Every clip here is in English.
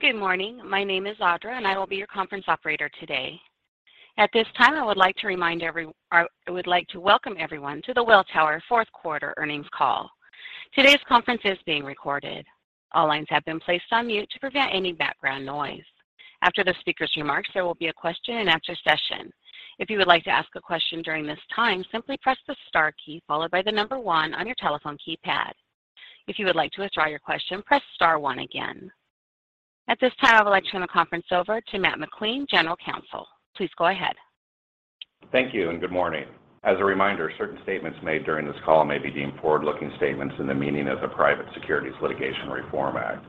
Good morning. My name is Audra, and I will be your conference operator today. At this time, I would like to welcome everyone to the Welltower fourth quarter earnings call. Today's conference is being recorded. All lines have been placed on mute to prevent any background noise. After the speaker's remarks, there will be a question and answer session. If you would like to ask a question during this time, simply press the star key followed by the number 1 on your telephone keypad. If you would like to withdraw your question, press star 1 again. At this time, I would like to turn the conference over to Matthew McQueen, General Counsel. Please go ahead. Thank you. Good morning. As a reminder, certain statements made during this call may be deemed forward-looking statements in the meaning of the Private Securities Litigation Reform Act.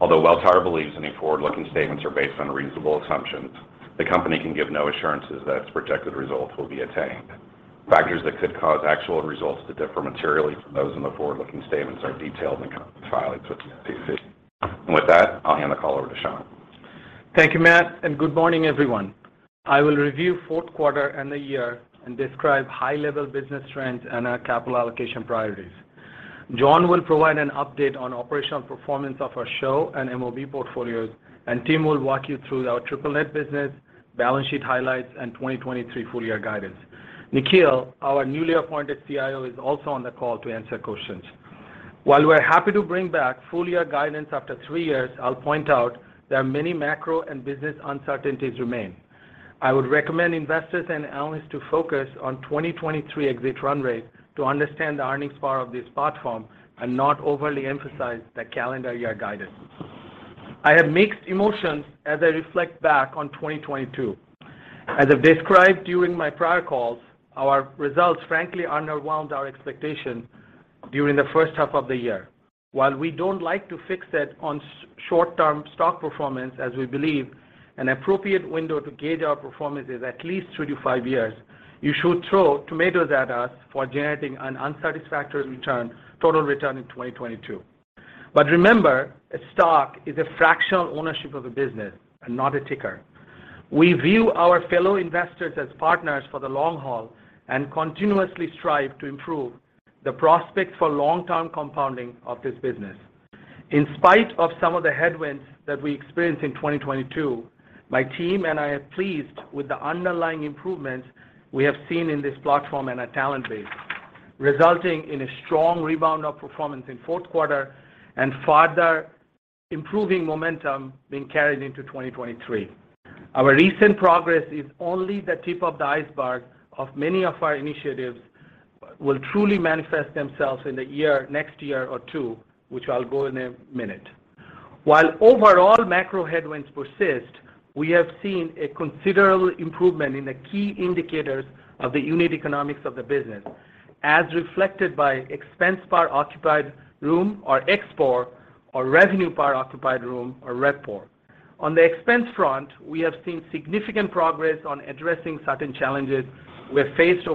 Although Welltower believes any forward-looking statements are based on reasonable assumptions, the company can give no assurances that its projected results will be attained. Factors that could cause actual results to differ materially from those in the forward-looking statements are detailed in the company's filings with the SEC. With that, I'll hand the call over to Shankh. Thank you, Matt. Good morning, everyone. I will review fourth quarter and the year and describe high-level business trends and our capital allocation priorities. John will provide an update on operational performance of our SHO and MOB portfolios, and Tim will walk you through our triple-net business, balance sheet highlights, and 2023 full-year guidance. Nikhil, our newly appointed CIO, is also on the call to answer questions. While we're happy to bring back full-year guidance after 3 years, I'll point out there are many macro and business uncertainties remain. I would recommend investors and analysts to focus on 2023 exit run rate to understand the earnings power of this platform and not overly emphasize the calendar year guidance. I have mixed emotions as I reflect back on 2022. As I've described during my prior calls, our results frankly underwhelmed our expectation during the first half of the year. While we don't like to fixate on short-term stock performance as we believe an appropriate window to gauge our performance is at least three to five years, you should throw tomatoes at us for generating an unsatisfactory return, total return in 2022. Remember, a stock is a fractional ownership of a business and not a ticker. We view our fellow investors as partners for the long haul and continuously strive to improve the prospects for long-term compounding of this business. In spite of some of the headwinds that we experienced in 2022, my team and I are pleased with the underlying improvements we have seen in this platform and our talent base, resulting in a strong rebound of performance in fourth quarter and further improving momentum being carried into 2023. Our recent progress is only the tip of the iceberg of many of our initiatives will truly manifest themselves in the next year or two, which I'll go in a minute. While overall macro headwinds persist, we have seen a considerable improvement in the key indicators of the unit economics of the business, as reflected by Expense Per Occupied Room or ExPOR, or Revenue Per Occupied Room or RevPOR. On the expense front, we have seen significant progress on addressing certain challenges we have faced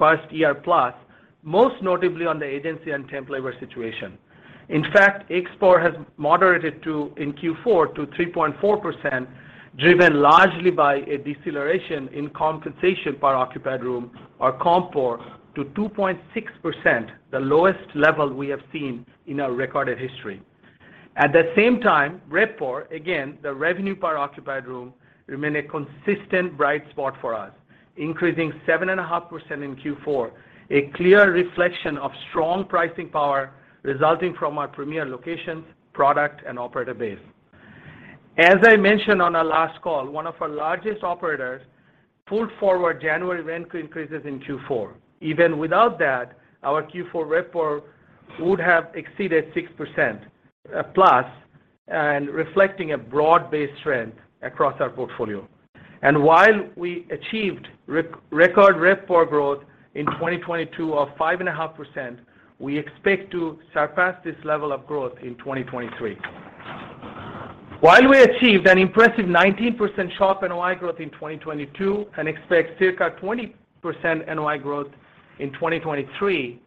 over past year plus, most notably on the agency and temp labor situation. In fact, ExPOR has moderated to in Q4 to 3.4%, driven largely by a deceleration in Compensation Per Occupied Room or CompPOR to 2.6%, the lowest level we have seen in our recorded history. At the same time, RevPOR, again, the Revenue Per Occupied Room remained a consistent bright spot for us, increasing 7.5% in Q4, a clear reflection of strong pricing power resulting from our premier locations, product, and operator base. As I mentioned on our last call, one of our largest operators pulled forward January rent increases in Q4. Even without that, our Q4 RevPOR would have exceeded 6% plus and reflecting a broad-based trend across our portfolio. While we achieved record RevPOR growth in 2022 of 5.5%, we expect to surpass this level of growth in 2023. While we achieved an impressive 19% SHOP NOI growth in 2022 and expect circa 20% NOI growth in 2023,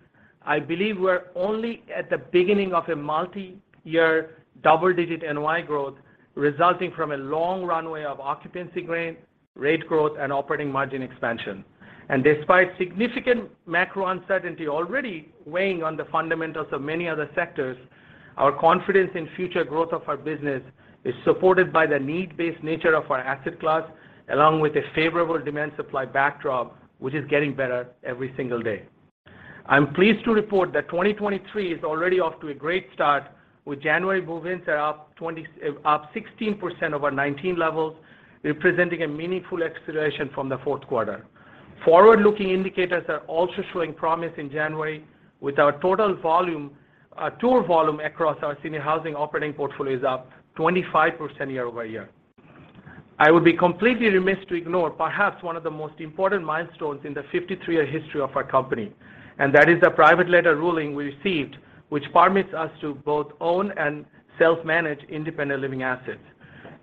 I believe we're only at the beginning of a multi-year double-digit NOI growth resulting from a long runway of occupancy gain, rate growth, and operating margin expansion. Despite significant macro uncertainty already weighing on the fundamentals of many other sectors, our confidence in future growth of our business is supported by the need-based nature of our asset class, along with a favorable demand supply backdrop, which is getting better every single day. I'm pleased to report that 2023 is already off to a great start with January move-ins are up 16% over 2019 levels, representing a meaningful acceleration from the fourth quarter. Forward-looking indicators are also showing promise in January with our total tour volume across our senior housing operating portfolio is up 25% year-over-year. I would be completely remiss to ignore perhaps one of the most important milestones in the 53-year history of our company. That is the Private Letter Ruling we received, which permits us to both own and self-manage independent living assets.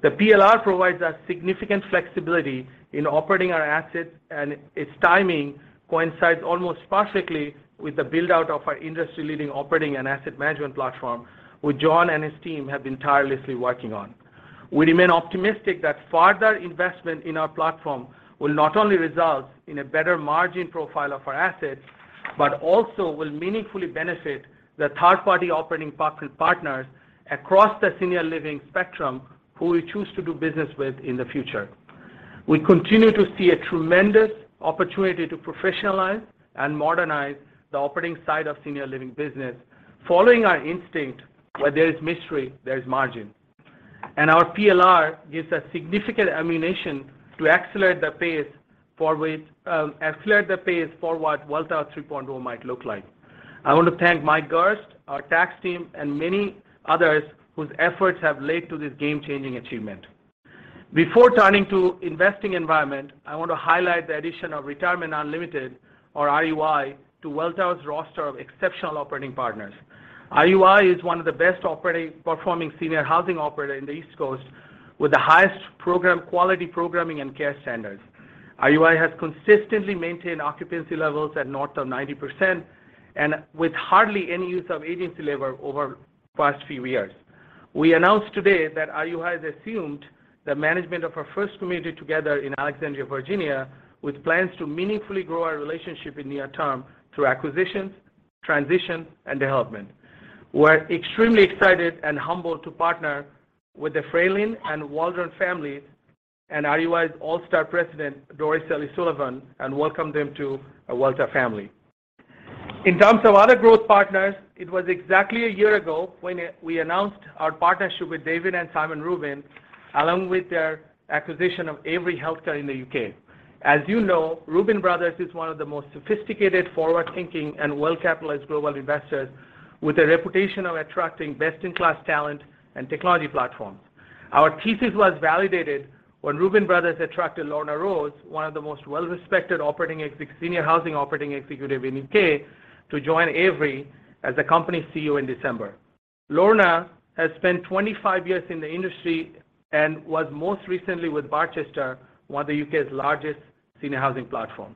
The PLR provides us significant flexibility in operating our assets, and its timing coincides almost perfectly with the build-out of our industry-leading operating and asset management platform, which John and his team have been tirelessly working on. We remain optimistic that further investment in our platform will not only result in a better margin profile of our assets. Also will meaningfully benefit the third-party operating partners across the senior living spectrum who we choose to do business with in the future. We continue to see a tremendous opportunity to professionalize and modernize the operating side of senior living business following our instinct where there is mystery, there is margin. Our PLR gives us significant ammunition to accelerate the pace for what Welltower 3.0 might look like. I want to thank Mike Gerst, our tax team, and many others whose efforts have led to this game-changing achievement. Before turning to investing environment, I want to highlight the addition of Retirement Unlimited, or RUI, to Welltower's roster of exceptional operating partners. RUI is one of the best performing senior housing operator in the East Coast with the highest quality programming and care standards. RUI has consistently maintained occupancy levels at north of 90% and with hardly any use of agency labor over past few years. We announced today that RUI has assumed the management of our first community together in Alexandria, Virginia, with plans to meaningfully grow our relationship in near term through acquisitions, transition, and development. We're extremely excited and humbled to partner with the Fralin and Waldron families and RUI's all-star President, Doris-Ellie Sullivan, and welcome them to our Welltower family. In terms of other growth partners, it was exactly a year ago when we announced our partnership with David and Simon Reuben, along with their acquisition of Avery Healthcare in the U.K. As you know, Reuben Brothers is one of the most sophisticated, forward-thinking, and well-capitalized global investors with a reputation of attracting best-in-class talent and technology platforms. Our thesis was validated when Reuben Brothers attracted Lorna Rose, one of the most well-respected senior housing operating executive in U.K., to join Avery as the company CEO in December. Lorna has spent 25 years in the industry and was most recently with Barchester, one of the U.K.'s largest senior housing platform.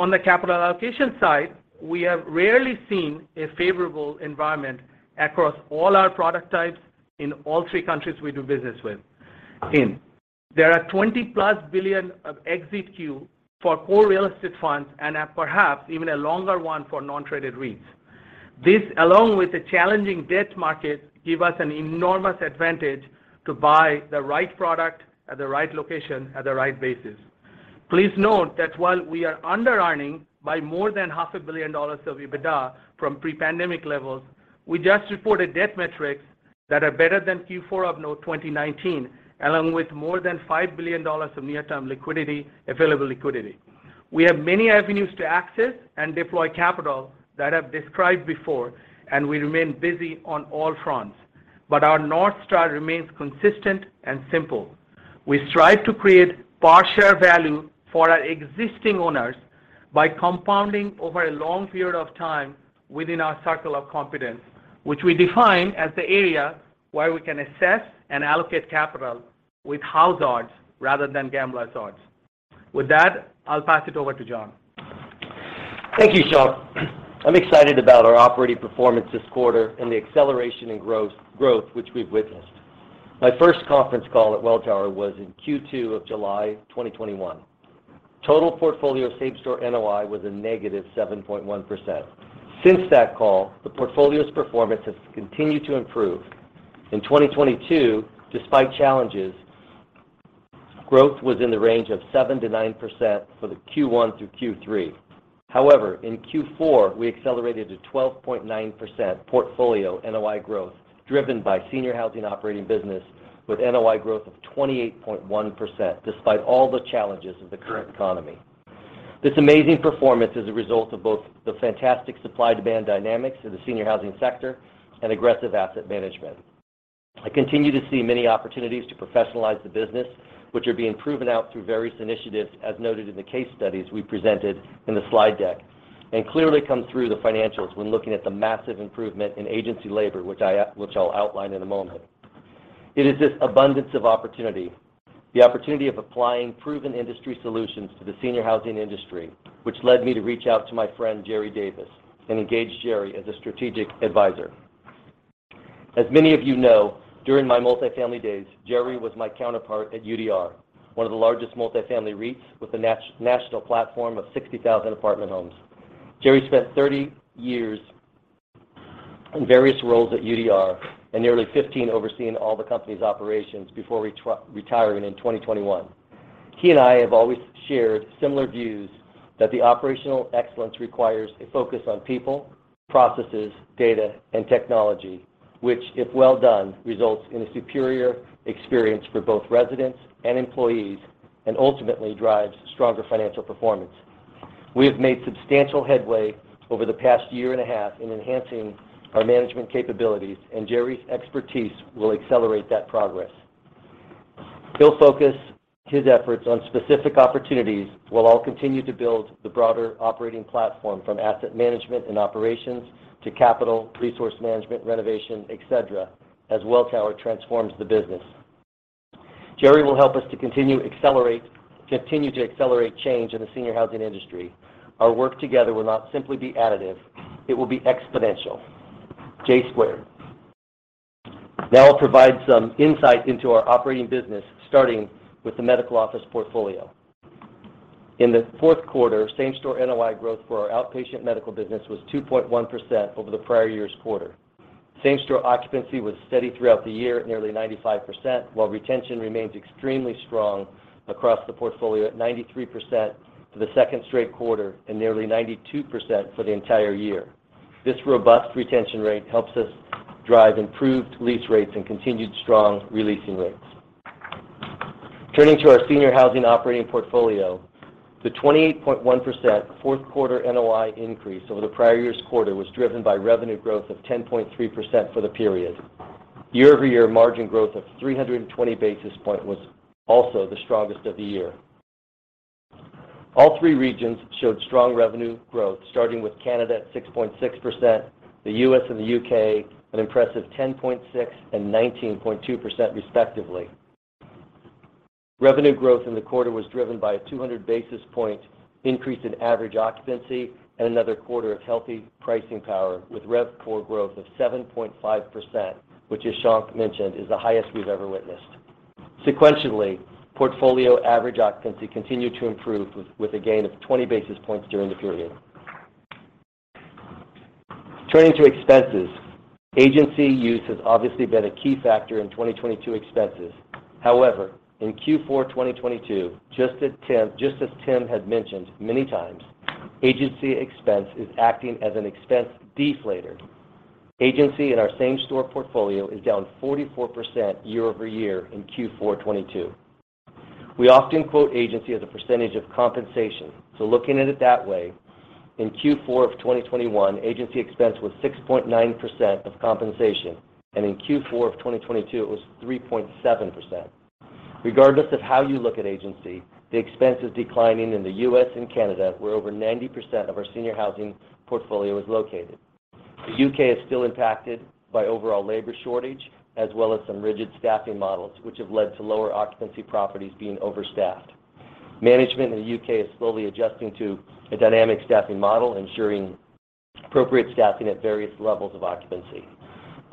On the capital allocation side, we have rarely seen a favorable environment across all our product types in all three countries we do business in. There are $20-plus billion of exit queue for all real estate funds and perhaps even a longer one for non-traded REITs. This, along with the challenging debt market, give us an enormous advantage to buy the right product at the right location at the right basis. Please note that while we are underearning by more than half a billion dollars of EBITDA from pre-pandemic levels, we just reported debt metrics that are better than Q4 of 2019, along with more than $5 billion of available liquidity. We have many avenues to access and deploy capital that I've described before, we remain busy on all fronts. Our North Star remains consistent and simple. We strive to create per share value for our existing owners by compounding over a long period of time within our circle of competence, which we define as the area where we can assess and allocate capital with house odds rather than gambler's odds. With that, I'll pass it over to John. Thank you, Shankh. I'm excited about our operating performance this quarter and the acceleration in growth which we've witnessed. My first conference call at Welltower was in Q2 of July 2021. Total portfolio same-store NOI was a negative 7.1%. Since that call, the portfolio's performance has continued to improve. In 2022, despite challenges, growth was in the range of 7%-9% for the Q1 through Q3. In Q4, we accelerated to 12.9% portfolio NOI growth, driven by senior housing operating business with NOI growth of 28.1%, despite all the challenges of the current economy. This amazing performance is a result of both the fantastic supply-demand dynamics of the senior housing sector and aggressive asset management. I continue to see many opportunities to professionalize the business, which are being proven out through various initiatives as noted in the case studies we presented in the slide deck, and clearly come through the financials when looking at the massive improvement in agency labor, which I'll outline in a moment. It is this abundance of opportunity, the opportunity of applying proven industry solutions to the senior housing industry, which led me to reach out to my friend Jerry Davis and engage Jerry as a strategic advisor. As many of you know, during my multifamily days, Jerry was my counterpart at UDR, one of the largest multifamily REITs with a national platform of 60,000 apartment homes. Jerry spent 30 years in various roles at UDR and nearly 15 overseeing all the company's operations before retiring in 2021. He and I have always shared similar views that the operational excellence requires a focus on people, processes, data, and technology, which, if well done, results in a superior experience for both residents and employees and ultimately drives stronger financial performance. We have made substantial headway over the past year and a half in enhancing our management capabilities. Jerry's expertise will accelerate that progress. He'll focus his efforts on specific opportunities, while I'll continue to build the broader operating platform from asset management and operations to capital, resource management, renovation, et cetera, as Welltower transforms the business. Jerry will help us to continue to accelerate change in the senior housing industry. Our work together will not simply be additive, it will be exponential. J squared. I'll provide some insight into our operating business, starting with the medical office portfolio. In the fourth quarter, same-store NOI growth for our outpatient medical business was 2.1% over the prior year's quarter. Same-store occupancy was steady throughout the year at nearly 95%, while retention remains extremely strong across the portfolio at 93% for the second straight quarter and nearly 92% for the entire year. This robust retention rate helps us drive improved lease rates and continued strong re-leasing rates. Turning to our senior housing operating portfolio, the 28.1% fourth quarter NOI increase over the prior year's quarter was driven by revenue growth of 10.3% for the period. Year-over-year margin growth of 320 basis points was also the strongest of the year. All three regions showed strong revenue growth, starting with Canada at 6.6%, the U.S. and the U.K. an impressive 10.6 and 19.2% respectively. Revenue growth in the quarter was driven by a 200 basis point increase in average occupancy and another quarter of healthy pricing power with RevPOR growth of 7.5%, which as Shankh mentioned, is the highest we've ever witnessed. Sequentially, portfolio average occupancy continued to improve with a gain of 20 basis points during the period. Turning to expenses, agency use has obviously been a key factor in 2022 expenses. However, in Q4, 2022, just as Tim has mentioned many times, agency expense is acting as an expense deflator. Agency in our same-store portfolio is down 44% year-over-year in Q4 2022. We often quote agency as a percentage of compensation. Looking at it that way, in Q4 of 2021, agency expense was 6.9% of compensation, and in Q4 of 2022, it was 3.7%. Regardless of how you look at agency, the expense is declining in the U.S. and Canada, where over 90% of our senior housing portfolio is located. The U.K. is still impacted by overall labor shortage, as well as some rigid staffing models, which have led to lower occupancy properties being overstaffed. Management in the U.K. is slowly adjusting to a dynamic staffing model, ensuring appropriate staffing at various levels of occupancy.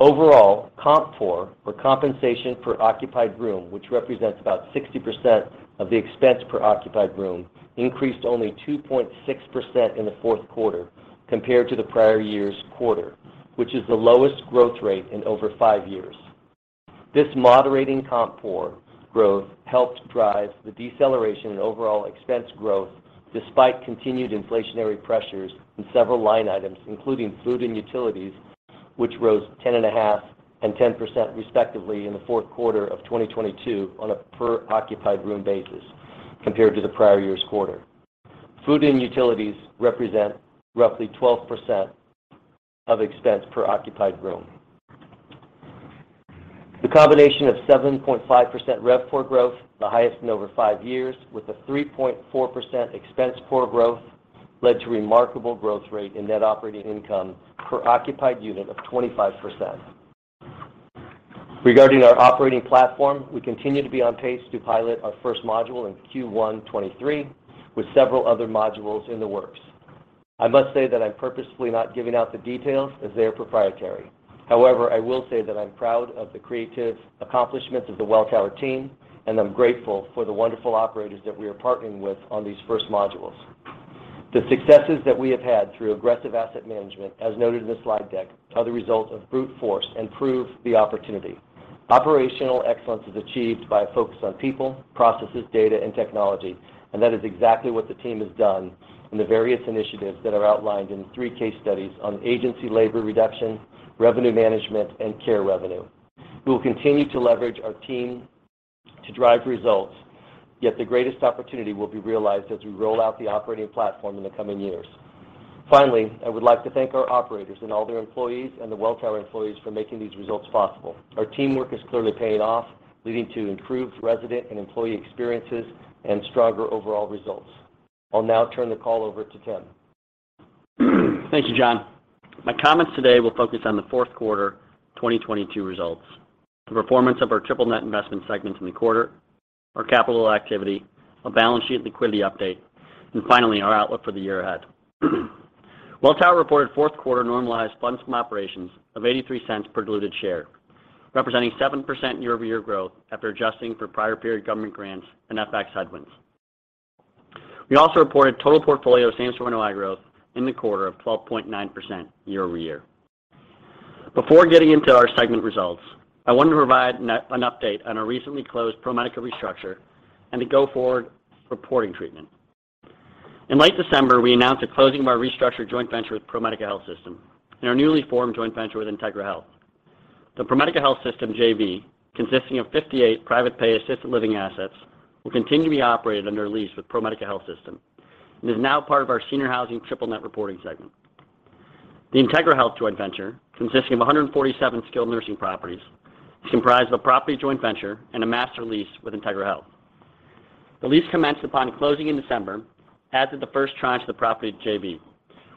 Overall, CompPOR, or compensation per occupied room, which represents about 60% of the expense per occupied room, increased only 2.6% in the fourth quarter compared to the prior year's quarter, which is the lowest growth rate in over five years. This moderating CompPOR growth helped drive the deceleration in overall expense growth despite continued inflationary pressures in several line items, including food and utilities, which rose 10.5% and 10% respectively in the fourth quarter of 2022 on a per occupied room basis compared to the prior year's quarter. Food and utilities represent roughly 12% of expense per occupied room. The combination of 7.5% RevPOR growth, the highest in over five years, with a 3.4% expense core growth led to remarkable growth rate in net operating income per occupied unit of 25%. Regarding our operating platform, we continue to be on pace to pilot our first module in Q1 2023 with several other modules in the works. I must say that I'm purposefully not giving out the details as they are proprietary. I will say that I'm proud of the creative accomplishments of the Welltower team, and I'm grateful for the wonderful operators that we are partnering with on these first modules. The successes that we have had through aggressive asset management, as noted in the slide deck, are the result of brute force and prove the opportunity. Operational excellence is achieved by a focus on people, processes, data, and technology, and that is exactly what the team has done in the various initiatives that are outlined in three case studies on agency labor reduction, revenue management, and care revenue. We will continue to leverage our team to drive results, yet the greatest opportunity will be realized as we roll out the operating platform in the coming years. I would like to thank our operators and all their employees and the Welltower employees for making these results possible. Our teamwork is clearly paying off, leading to improved resident and employee experiences and stronger overall results. I'll now turn the call over to Tim. Thank you, John. My comments today will focus on the fourth quarter 2022 results, the performance of our triple-net investment segment in the quarter, our capital activity, a balance sheet liquidity update, and finally, our outlook for the year ahead. Welltower reported fourth quarter normalized funds from operations of $0.83 per diluted share, representing 7% year-over-year growth after adjusting for prior period government grants and FX headwinds. We also reported total portfolio same-store NOI growth in the quarter of 12.9% year-over-year. Before getting into our segment results, I wanted to provide an update on our recently closed ProMedica restructure and the go-forward reporting treatment. In late December, we announced the closing of our restructured joint venture with ProMedica Health System and our newly formed joint venture with Integra Health. The ProMedica Health System JV, consisting of 58 private pay assisted living assets, will continue to be operated under lease with ProMedica Health System and is now part of our senior housing triple-net reporting segment. The Integra Health Joint Venture, consisting of 147 skilled nursing properties, is comprised of a property joint venture and a master lease with Integra Health. The lease commenced upon closing in December as did the first tranche of the property JV,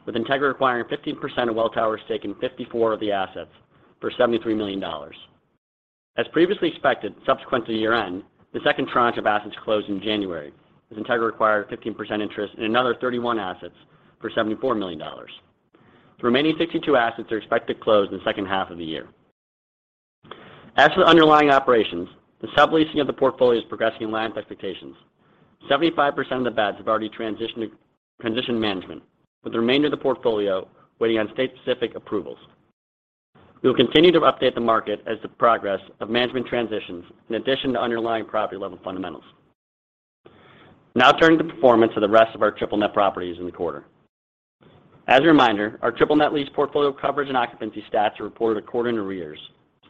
with Integra requiring 15% of Welltower's stake in 54 of the assets for $73 million. As previously expected, subsequent to year-end, the second tranche of assets closed in January, as Integra acquired a 15% interest in another 31 assets for $74 million. The remaining 62 assets are expected to close in the second half of the year. As for the underlying operations, the subleasing of the portfolio is progressing in line with expectations. 75% of the beds have already transitioned management, with the remainder of the portfolio waiting on state-specific approvals. We will continue to update the market as the progress of management transitions in addition to underlying property level fundamentals. Turning to the performance of the rest of our triple-net properties in the quarter. As a reminder, our triple-net lease portfolio coverage and occupancy stats are reported according to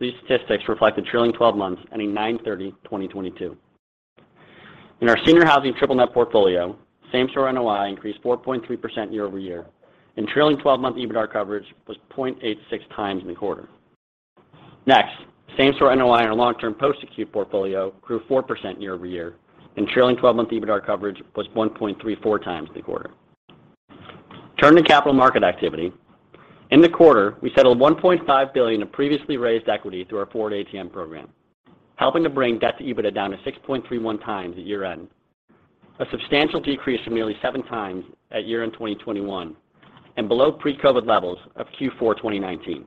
arrears. These statistics reflect the trailing 12 months ending 9/30/2022. In our senior housing triple-net portfolio, same-store NOI increased 4.3% year-over-year, and trailing 12-month EBITDAR coverage was 0.86 times in the quarter. Next, same-store NOI in our long-term post-acute portfolio grew 4% year-over-year, and trailing 12-month EBITDAR coverage was 1.34 times in the quarter. Turning to capital market activity. In the quarter, we settled $1.5 billion of previously raised equity through our forward ATM program, helping to bring debt to EBITDAR down to 6.31 times at year-end. A substantial decrease from nearly 7 times at year-end 2021 and below pre-COVID levels of Q4 2019.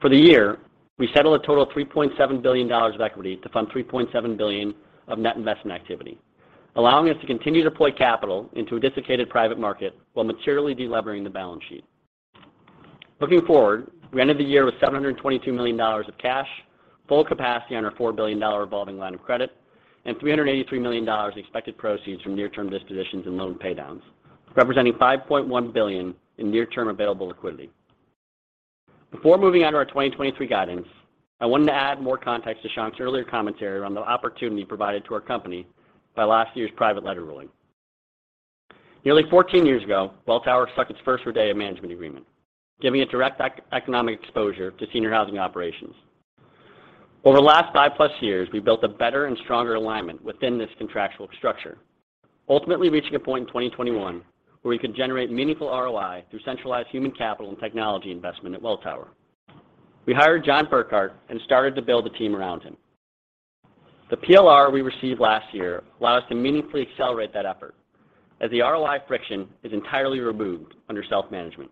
For the year, we settled a total of $3.7 billion of equity to fund $3.7 billion of net investment activity, allowing us to continue to deploy capital into a desiccated private market while materially de-levering the balance sheet. Looking forward, we ended the year with $722 million of cash, full capacity on our $4 billion revolving line of credit, and $383 million in expected proceeds from near-term dispositions and loan paydowns, representing $5.1 billion in near-term available liquidity. Before moving on to our 2023 guidance, I wanted to add more context to Shankh's earlier commentary around the opportunity provided to our company by last year's Private Letter Ruling. Nearly 14 years ago, Welltower struck its first RIDEA management agreement, giving it direct economic exposure to senior housing operations. Over the last five-plus years, we've built a better and stronger alignment within this contractual structure, ultimately reaching a point in 2021 where we could generate meaningful ROI through centralized human capital and technology investment at Welltower. We hired John Burkart and started to build a team around him. The PLR we received last year allowed us to meaningfully accelerate that effort as the ROI friction is entirely removed under self-management.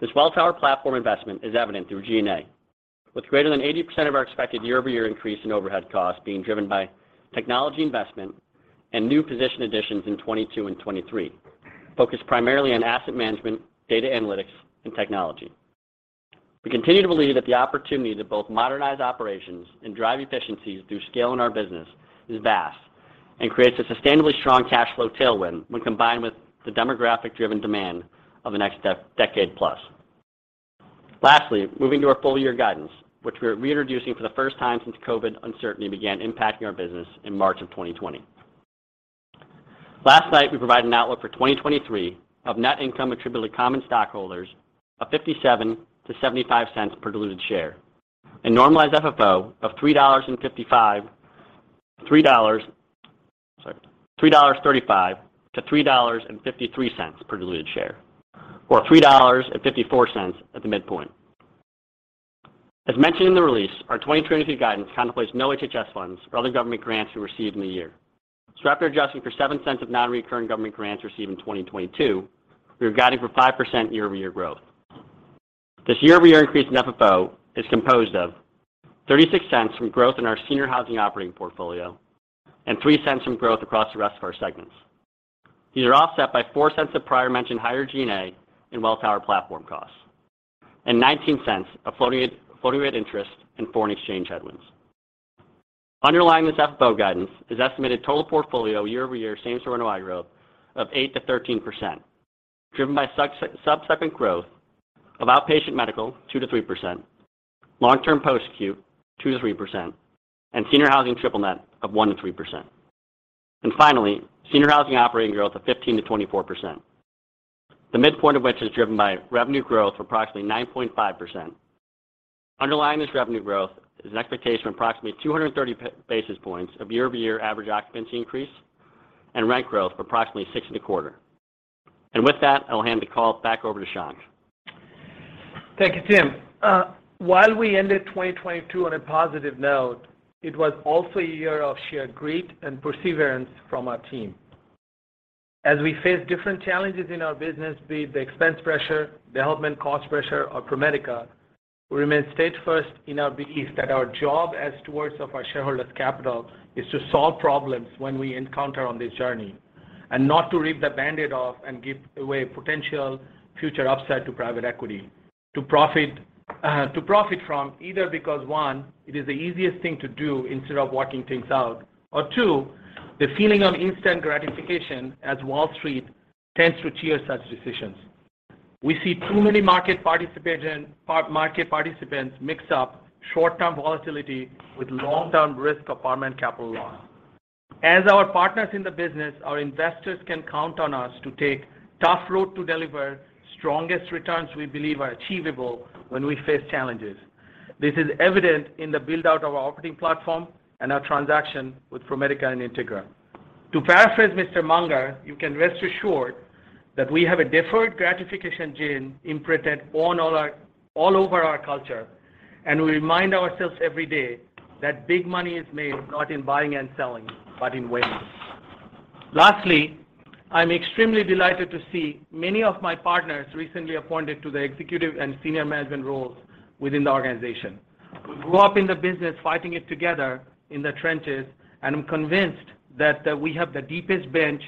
This Welltower platform investment is evident through G&A, with greater than 80% of our expected year-over-year increase in overhead costs being driven by technology investment and new position additions in 2022 and 2023, focused primarily on asset management, data analytics, and technology. We continue to believe that the opportunity to both modernize operations and drive efficiencies through scale in our business is vast and creates a sustainably strong cash flow tailwind when combined with the demographic driven demand of the next decade plus. Lastly, moving to our full year guidance, which we're reintroducing for the first time since COVID uncertainty began impacting our business in March of 2020. Last night, we provided an outlook for 2023 of net income attributed to common stockholders of $0.57-$0.75 per diluted share and normalized FFO of $3.35-$3.53 per diluted share, or $3.54 at the midpoint. As mentioned in the release, our 2023 guidance contemplates no HHS funds or other government grants we received in the year. After adjusting for $0.07 of non-recurring government grants received in 2022, we are guiding for 5% year-over-year growth. This year-over-year increase in FFO is composed of $0.36 from growth in our senior housing operating portfolio and $0.03 from growth across the rest of our segments. These are offset by $0.04 of prior mentioned higher G&A and Welltower platform costs, and $0.19 of floating rate interest and foreign exchange headwinds. Underlying this FFO guidance is estimated total portfolio year-over-year same store NOI growth of 8%-13%, driven by subsequent growth of outpatient medical, 2%-3%, long-term post-acute, 2%-3%, and senior housing triple-net of 1%-3%. Finally, Seniors Housing Operating growth of 15%-24%. The midpoint of which is driven by revenue growth of approximately 9.5%. Underlying this revenue growth is an expectation of approximately 230 basis points of year-over-year average occupancy increase and rent growth of approximately 6.25%. With that, I will hand the call back over to Shankh. Thank you, Tim. While we ended 2022 on a positive note, it was also a year of sheer grit and perseverance from our team. As we face different challenges in our business, be it the expense pressure, development cost pressure, or ProMedica, we remain steadfast in our belief that our job as stewards of our shareholders' capital is to solve problems when we encounter on this journey, and not to rip the Band-Aid off and give away potential future upside to private equity to profit, to profit from either because, one, it is the easiest thing to do instead of working things out, or two, the feeling of instant gratification as Wall Street tends to cheer such decisions. We see too many market participants mix up short-term volatility with long-term risk of permanent capital loss. As our partners in the business, our investors can count on us to take tough road to deliver strongest returns we believe are achievable when we face challenges. This is evident in the build-out of our operating platform and our transaction with ProMedica and Integra. To paraphrase Mr. Munger, you can rest assured that we have a deferred gratification gene imprinted on all over our culture. We remind ourselves every day that big money is made not in buying and selling, but in waiting. Lastly, I'm extremely delighted to see many of my partners recently appointed to the executive and senior management roles within the organization. We grew up in the business fighting it together in the trenches, and I'm convinced that we have the deepest bench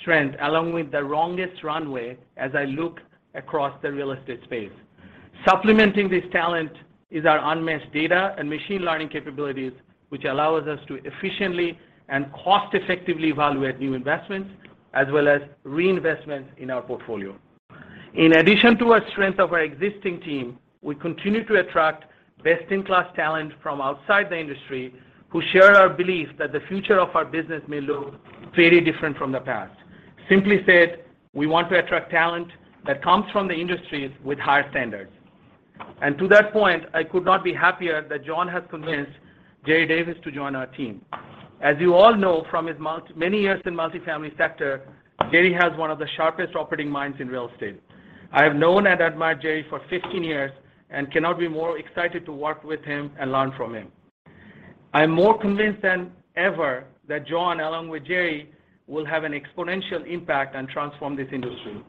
strength along with the longest runway as I look across the real estate space. Supplementing this talent is our unmatched data and machine learning capabilities, which allows us to efficiently and cost effectively evaluate new investments as well as reinvestments in our portfolio. In addition to our strength of our existing team, we continue to attract best in class talent from outside the industry who share our belief that the future of our business may look very different from the past. Simply said, we want to attract talent that comes from the industries with higher standards. To that point, I could not be happier that John has convinced Jerry Davis to join our team. As you all know from his many years in multifamily sector, Jerry has one of the sharpest operating minds in real estate. I have known and admired Jerry for 15 years and cannot be more excited to work with him and learn from him. I am more convinced than ever that John, along with Jerry, will have an exponential impact and transform this industry.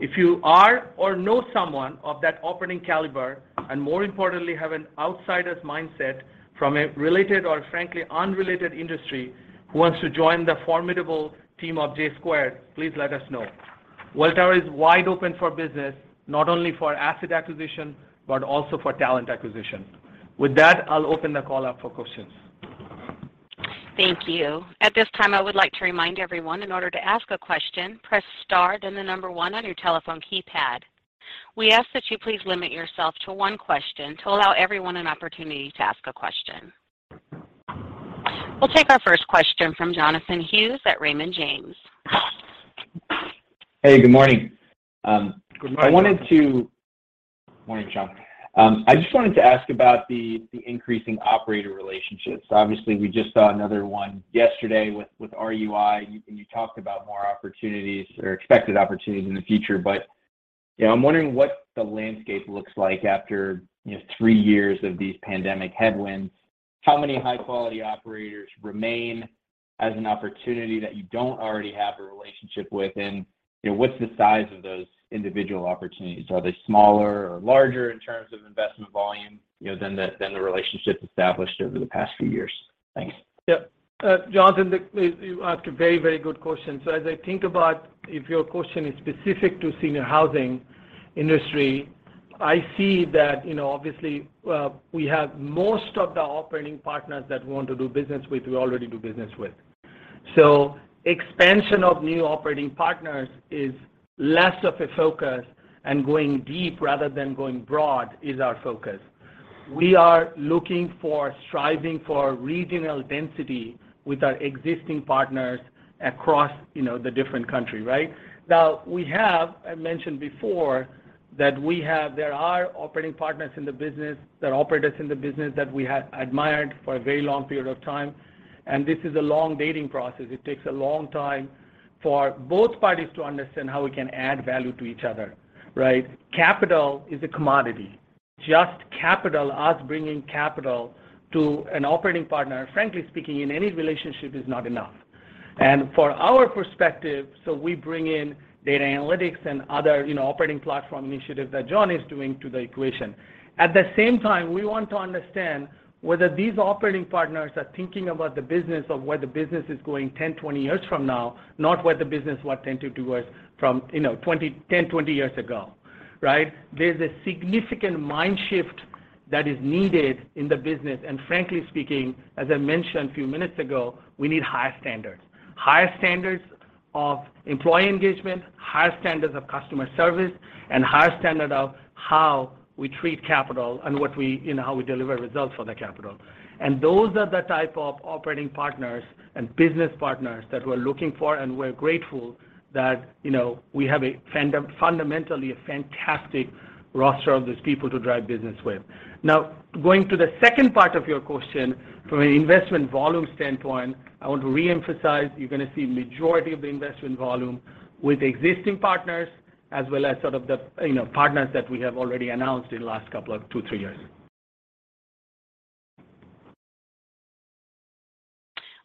If you are or know someone of that operating caliber, and more importantly, have an outsider's mindset from a related or frankly unrelated industry who wants to join the formidable team of J squared, please let us know. Welltower is wide open for business, not only for asset acquisition, but also for talent acquisition. With that, I'll open the call up for questions. Thank you. At this time, I would like to remind everyone, in order to ask a question, press star, then the number 1 on your telephone keypad. We ask that you please limit yourself to one question to allow everyone an opportunity to ask a question. We'll take our first question from Jonathan Hughes at Raymond James. Hey, good morning. Good morning. Morning, Shankh. I just wanted to ask about the increasing operator relationships. Obviously, we just saw another one yesterday with RUI. You talked about more opportunities or expected opportunities in the future. You know, I'm wondering what the landscape looks like after, you know, three years of these pandemic headwinds. How many high-quality operators remain as an opportunity that you don't already have a relationship with? You know, what's the size of those individual opportunities? Are they smaller or larger in terms of investment volume, you know, than the, than the relationships established over the past few years? Thanks. Yeah. Jonathan, you asked a very, very good question. As I think about if your question is specific to senior housing industry, I see that, you know, obviously, we have most of the operating partners that we want to do business with, we already do business with. Expansion of new operating partners is less of a focus, and going deep rather than going broad is our focus. We are looking for, striving for regional density with our existing partners across, you know, the different country, right? Now, we have, I mentioned before that there are operating partners in the business that operate us in the business that we have admired for a very long period of time. This is a long dating process. It takes a long time for both parties to understand how we can add value to each other, right? Capital is a commodity. Just capital, us bringing capital to an operating partner, frankly speaking, in any relationship is not enough. For our perspective, so we bring in data analytics and other, you know, operating platform initiatives that John is doing to the equation. At the same time, we want to understand whether these operating partners are thinking about the business of where the business is going 10, 20 years from now, not where the business was 10 to 2 years from, you know, 10, 20 years ago, right? There's a significant mind shift that is needed in the business. Frankly speaking, as I mentioned a few minutes ago, we need higher standards. Higher standards of employee engagement, higher standards of customer service, and higher standard of how we treat capital and you know, how we deliver results for the capital. Those are the type of operating partners and business partners that we're looking for, and we're grateful that, you know, we have a fundamentally a fantastic roster of these people to drive business with. Going to the second part of your question, from an investment volume standpoint, I want to reemphasize, you're gonna see majority of the investment volume with existing partners as well as sort of the, you know, partners that we have already announced in the last couple of two, three years.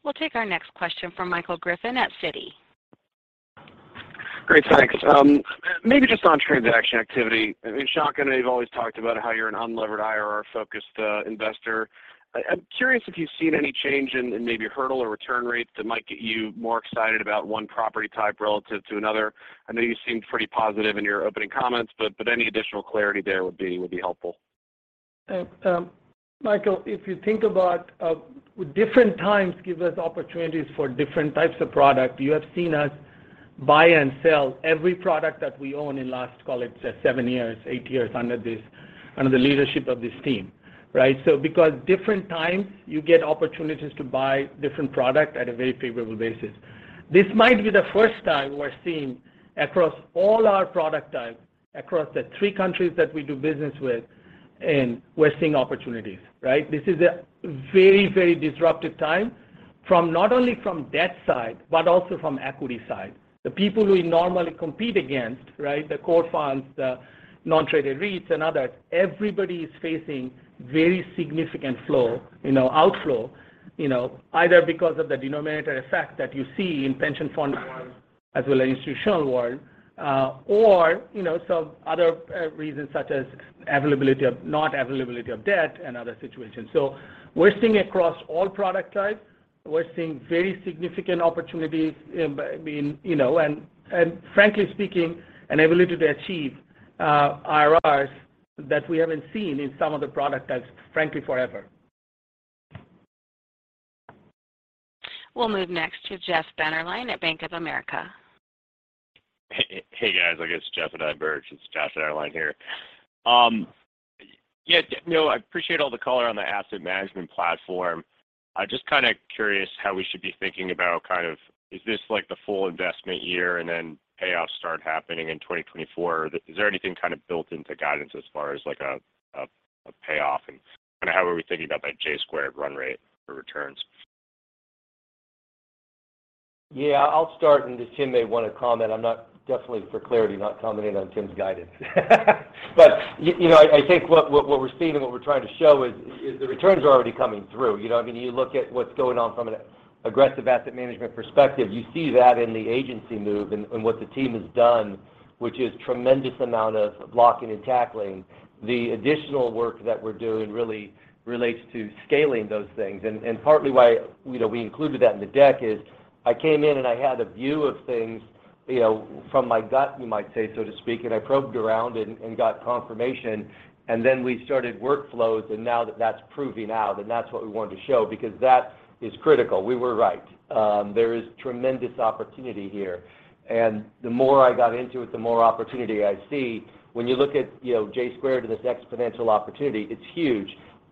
We'll take our next question from Michael Griffin at Citi. Great, thanks. Maybe just on transaction activity. I mean, Shankh, I know you've always talked about how you're an unlevered IRR-focused investor. I'm curious if you've seen any change in maybe hurdle or return rates that might get you more excited about one property type relative to another. I know you seemed pretty positive in your opening comments, but any additional clarity there would be helpful. Michael, if you think about different times give us opportunities for different types of product. You have seen us buy and sell every product that we own in last, call it, say, seven years, eight years under the leadership of this team, right? Because different times you get opportunities to buy different product at a very favorable basis. This might be the first time we're seeing across all our product types, across the three countries that we do business with, and we're seeing opportunities, right? This is a very, very disruptive time. From not only from debt side, but also from equity side. The people we normally compete against, right? The core funds, the non-traded REITs and others, everybody is facing very significant flow, you know, outflow, you know, either because of the denominatory effect that you see in pension fund world as well as institutional world, or you know, some other reasons such as not availability of debt and other situations. We're seeing across all product types, we're seeing very significant opportunities in, I mean, you know, and frankly speaking, an ability to achieve IRRs that we haven't seen in some of the product types, frankly, forever. We'll move next to Jeff Dennerlein at Bank of America. Hey, hey guys, I guess Jeff and I merged. It's Josh Dennerlein here. Yeah, no, I appreciate all the color on the asset management platform. I'm just kind of curious how we should be thinking about kind of is this like the full investment year and then payoffs start happening in 2024? Is there anything kind of built into guidance as far as like a payoff? Kinda how are we thinking about that J squared run rate for returns? Yeah, I'll start, and just Tim may wanna comment. I'm not, definitely for clarity, not commenting on Tim's guidance. You know, I think what we're seeing and what we're trying to SHO is the returns are already coming through. You know, I mean, you look at what's going on from an aggressive asset management perspective, you see that in the agency move and what the team has done, which is tremendous amount of blocking and tackling. The additional work that we're doing really relates to scaling those things. Partly why, you know, we included that in the deck is I came in and I had a view of things, you know, from my gut, you might say, so to speak, and I probed around and got confirmation. We started workflows, and now that that's proving out, and that's what we wanted to SHO because that is critical. We were right. There is tremendous opportunity here. The more I got into it, the more opportunity I see. When you look at, you know, J squared and this exponential opportunity, it's huge.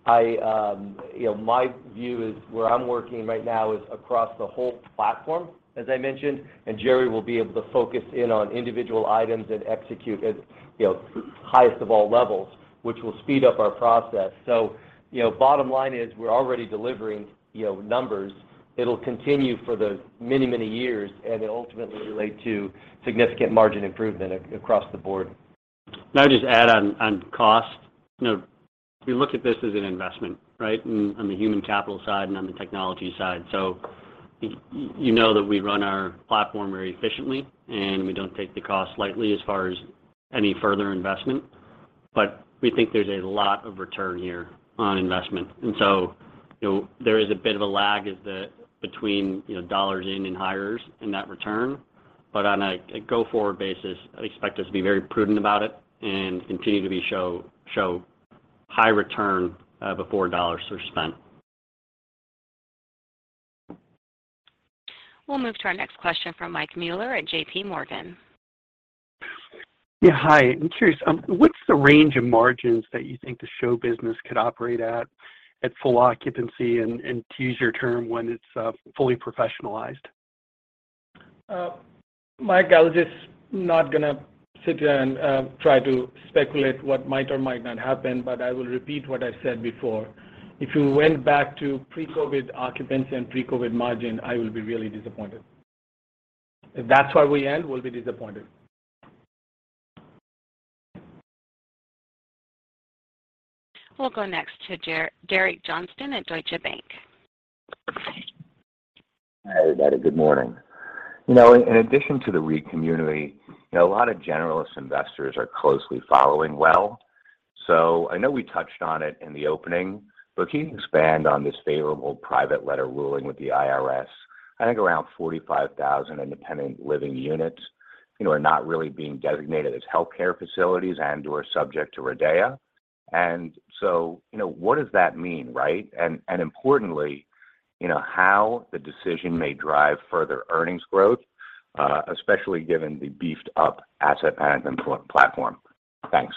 I, you know, my view is where I'm working right now is across the whole platform, as I mentioned, and Jerry will be able to focus in on individual items and execute at, you know, highest of all levels, which will speed up our process. You know, bottom line is we're already delivering, you know, numbers. It'll continue for the many, many years, and it'll ultimately relate to significant margin improvement across the board. I'll just add on cost. You know, we look at this as an investment, right, on the human capital side and on the technology side. You know that we run our platform very efficiently, and we don't take the cost lightly as far as any further investment. We think there's a lot of return here on investment. You know, there is a bit of a lag between, you know, dollars in and hires in that return. On a go-forward basis, I'd expect us to be very prudent about it and continue to be SHO high return before dollars are spent. We'll move to our next question from Mike Mueller at JPMorgan. Yeah, hi. I'm curious, what's the range of margins that you think the SHO Business could operate at full occupancy and to use your term, when it's fully professionalized? Mike, I'll just not gonna sit here and try to speculate what might or might not happen, but I will repeat what I said before. If you went back to pre-COVID occupancy and pre-COVID margin, I will be really disappointed. If that's where we end, we'll be disappointed. We'll go next to Derek Johnston at Deutsche Bank. Hi, everybody. Good morning. You know, in addition to the REIT community, you know, a lot of generalist investors are closely following Welltower. I know we touched on it in the opening, but can you expand on this favorable Private Letter Ruling with the IRS? I think around 45,000 independent living units, you know, are not really being designated as healthcare facilities and/or subject to RIDEA. You know, what does that mean, right? Importantly, you know, how the decision may drive further earnings growth, especially given the beefed up asset management platform. Thanks.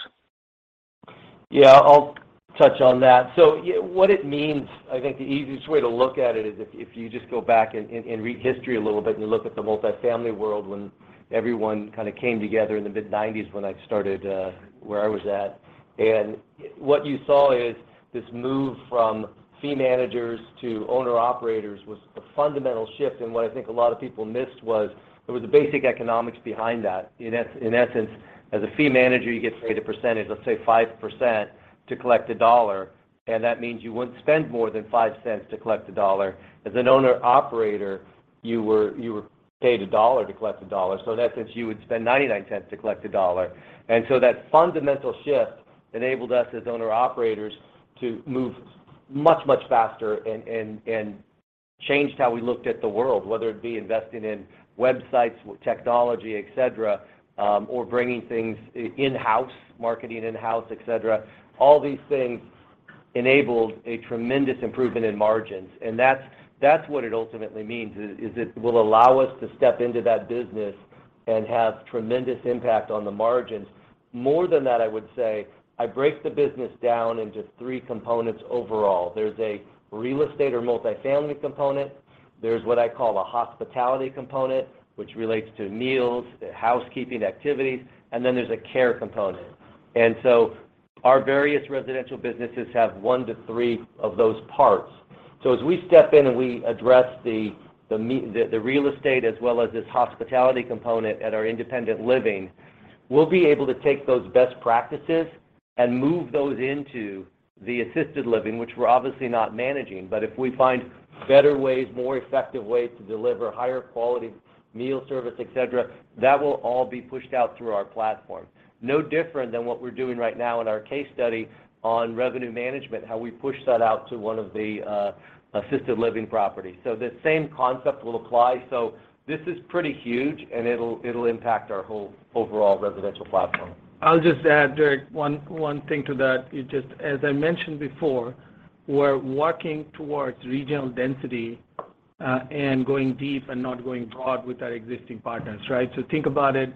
Yeah, I'll touch on that. What it means, I think the easiest way to look at it is if you just go back and read history a little bit and you look at the multifamily world when everyone kind of came together in the mid-90s when I started where I was at. What you saw is this move from fee managers to owner-operators was a fundamental shift. What I think a lot of people missed was there was a basic economics behind that. In essence, as a fee manager, you get paid a percentage, let's say 5%, to collect $1, and that means you wouldn't spend more than 5 cents to collect $1. As an owner-operator, you were paid $1 to collect $1. In that sense, you would spend 99 cents to collect $1. That fundamental shift enabled us as owner-operators to move much, much faster and changed how we looked at the world, whether it be investing in websites, technology, et cetera, or bringing things in-house, marketing in-house, et cetera. All these things enabled a tremendous improvement in margins, and that's what it ultimately means, is it will allow us to step into that business and have tremendous impact on the margins. More than that, I would say I break the business down into three components overall. There's a real estate or multifamily component, there's what I call the hospitality component, which relates to meals, housekeeping activities, and then there's a care component. Our various residential businesses have one to three of those parts. As we step in and we address the real estate as well as this hospitality component at our independent living, we'll be able to take those best practices and move those into the assisted living, which we're obviously not managing. If we find better ways, more effective ways to deliver higher quality meal service, et cetera, that will all be pushed out through our platform. No different than what we're doing right now in our case study on revenue management, how we push that out to one of the assisted living properties. The same concept will apply. This is pretty huge, and it'll impact our whole overall residential platform. I'll just add, Derek, one thing to that. As I mentioned before, we're working towards regional density, going deep and not going broad with our existing partners, right? Think about it,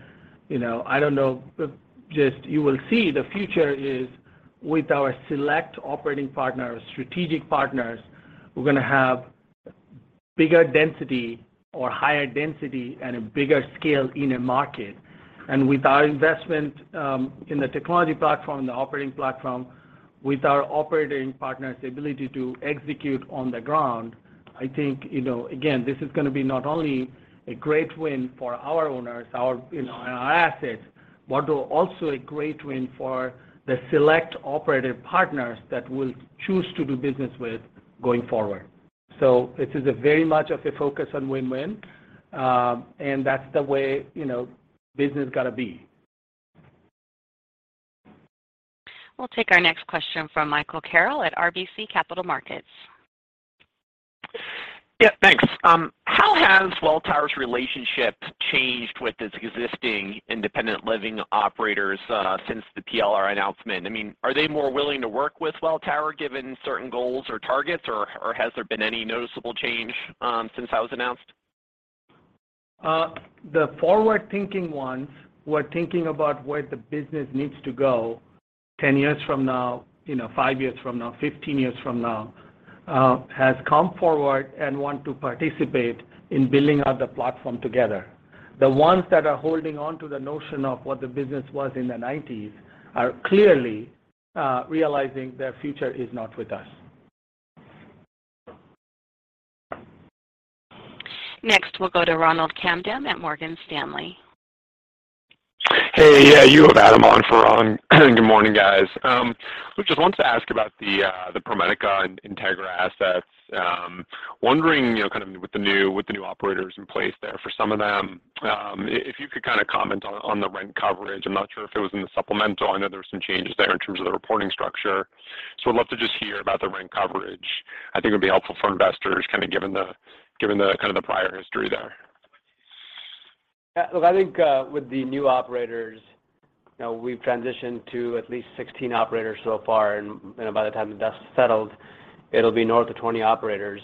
you know, I don't know, but just you will see the future is with our select operating partners, strategic partners, we're gonna have bigger density or higher density and a bigger scale in a market. With our investment in the technology platform, in the operating platform, with our operating partners' ability to execute on the ground, I think, you know, again, this is gonna be not only a great win for our owners, our, you know, and our assets, but also a great win for the select operative partners that we'll choose to do business with going forward. This is a very much of a focus on win-win, and that's the way, you know, business gotta be. We'll take our next question from Michael Carroll at RBC Capital Markets. Yeah, thanks. How has Welltower's relationship changed with its existing independent living operators since the PLR announcement? I mean, are they more willing to work with Welltower given certain goals or targets or has there been any noticeable change since that was announced? The forward-thinking ones who are thinking about where the business needs to go 10 years from now, you know, 5 years from now, 15 years from now, has come forward and want to participate in building out the platform together. The ones that are holding on to the notion of what the business was in the 90s are clearly realizing their future is not with us. Next, we'll go to Ronald Kamdem at Morgan Stanley. Hey. Yeah, you have Adam on for Ron. Good morning, guys. Just wanted to ask about the ProMedica and Integra assets. Wondering, you know, kind of with the new, with the new operators in place there for some of them, if you could kinda comment on the rent coverage. I'm not sure if it was in the supplemental. I know there were some changes there in terms of the reporting structure. I'd love to just hear about the rent coverage. I think it'll be helpful for investors, kind of given the, given the kind of the prior history there. Look, I think, with the new operators, you know, we've transitioned to at least 16 operators so far, you know, by the time the dust settled, it'll be north of 20 operators.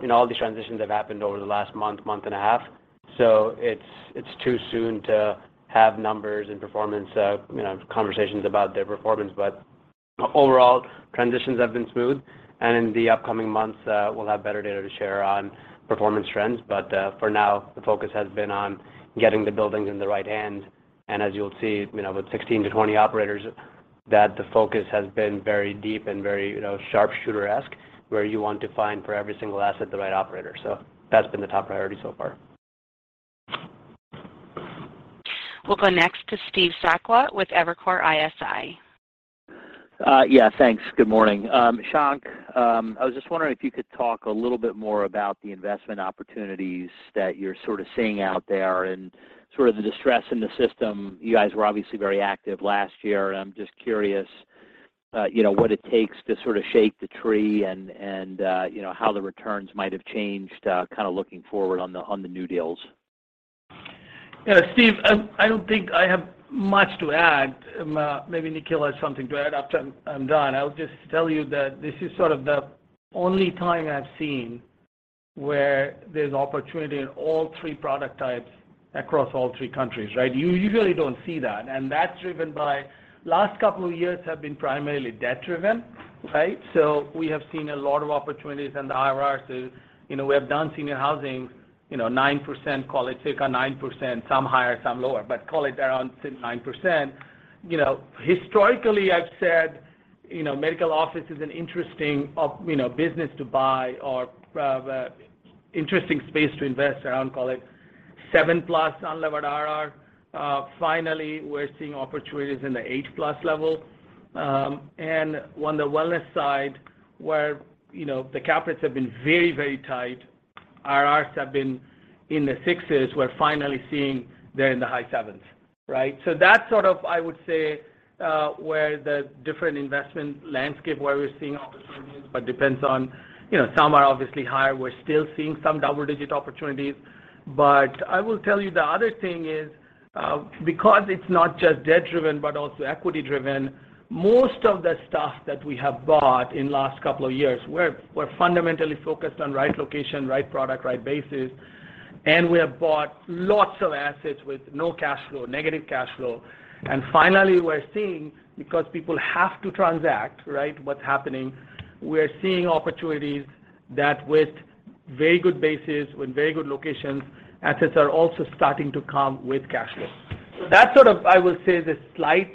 You know, all these transitions have happened over the last month and a half. It's, it's too soon to have numbers and performance, you know, conversations about their performance. Overall, transitions have been smooth. In the upcoming months, we'll have better data to share on performance trends. For now, the focus has been on getting the buildings in the right hand. As you'll see, you know, with 16 to 20 operators, that the focus has been very deep and very, you know, sharpshooter-esque, where you want to find for every single asset the right operator. That's been the top priority so far. We'll go next to Steve Sakwa with Evercore ISI. Yeah, thanks. Good morning. Shankh, I was just wondering if you could talk a little bit more about the investment opportunities that you're sort of seeing out there and sort of the distress in the system. You guys were obviously very active last year, and I'm just curious, you know, what it takes to sort of shake the tree and, you know, how the returns might have changed, kind of looking forward on the, on the new deals. Yeah, Steve, I don't think I have much to add. Maybe Nikhil has something to add after I'm done. I'll just tell you that this is sort of the only time I've seen where there's opportunity in all three product types across all three countries, right? You usually don't see that's driven by last couple of years have been primarily debt-driven, right? We have seen a lot of opportunities in the IRRs. You know, we have done senior housing, you know, 9%, call it, take a 9%, some higher, some lower, but call it around say 9%. You know, historically, I've said, you know, medical office is an interesting of, you know, business to buy or interesting space to invest around, call it 7-plus unlevered IRR. Finally, we're seeing opportunities in the 8-plus level. On the wellness side where, you know, the cap rates have been very, very tight, IRRs have been in the 6s. We're finally seeing they're in the high 7s, right? That's sort of, I would say, where the different investment landscape, where we're seeing opportunities, but depends on, you know, some are obviously higher. We're still seeing some double-digit opportunities. I will tell you the other thing is, because it's not just debt-driven, but also equity-driven, most of the stuff that we have bought in last couple of years were fundamentally focused on right location, right product, right basis, and we have bought lots of assets with no cash flow, negative cash flow. Finally, we're seeing, because people have to transact, right, what's happening, we're seeing opportunities that with very good bases with very good locations. Assets are also starting to come with cash flow. That's sort of, I will say, the slight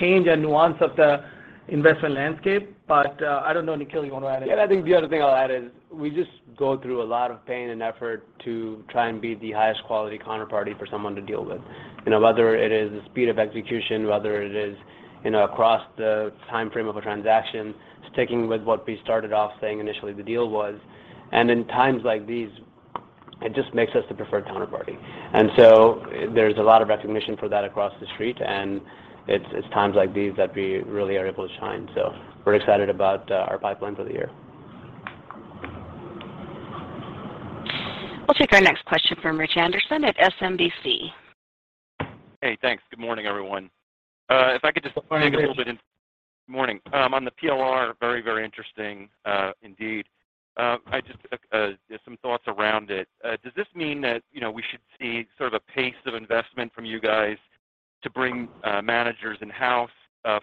change and nuance of the investment landscape. I don't know, Nikhil, you wanna add anything? Yeah, I think the other thing I'll add is we just go through a lot of pain and effort to try and be the highest quality counterparty for someone to deal with. You know, whether it is the speed of execution, whether it is, you know, across the timeframe of a transaction, sticking with what we started off saying initially the deal was. In times like these, it just makes us the preferred counterparty. There's a lot of recognition for that across the street, and it's times like these that we really are able to shine. We're excited about our pipeline for the year. We'll take our next question from Rich Anderson at SMBC. Hey, thanks. Good morning, everyone. If I could. Good morning, Rich. Good morning. On the PLR, very, very interesting, indeed. I just have some thoughts around it. Does this mean that, you know, we should see sort of a pace of investment from you guys to bring managers in-house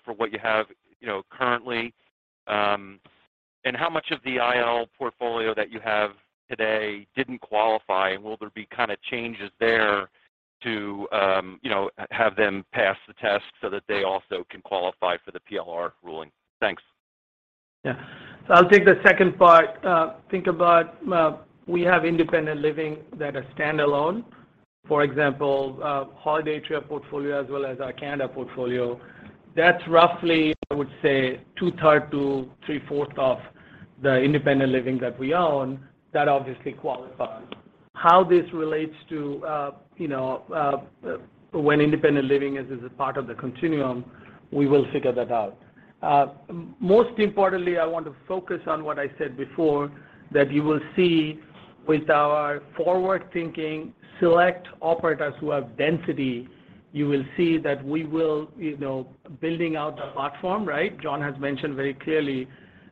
for what you have, you know, currently? How much of the IL portfolio that you have today didn't qualify, and will there be kinda changes there to, you know, have them pass the test so that they also can qualify for the PLR ruling? Thanks. I'll take the second part. Think about, we have independent living that are standalone. For example, Holiday Retirement portfolio as well as our Canada portfolio. That's roughly, I would say, two-thirds to three-fourths of the independent living that we own that obviously qualifies. How this relates to, you know, when independent living is as a part of the continuum, we will figure that out. Most importantly, I want to focus on what I said before, that you will see with our forward-thinking select operators who have density, you will see that we will, building out the platform, right? John has mentioned very clearly